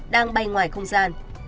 đang bay ngoài không gian